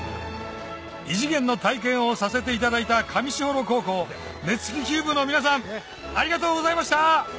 異次元の体験をさせていただいた上士幌高校熱気球部の皆さんありがとうございました！